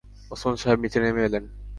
ওসমান সাহেব নিচে নেমে এলেন।